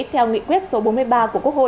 theo nghị quyết số bốn mươi ba của quốc hội